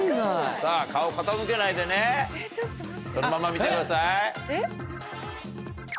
顔傾けないでねそのまま見てください。